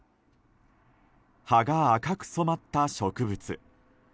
葉が赤く染まった植物。